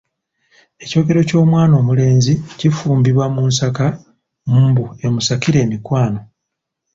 Ekyogero ky’omwana omulenzi kifumbibwa mu nsaka mbu emusakire emikwano.